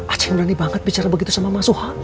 aceh berani banget bicara begitu sama mas soha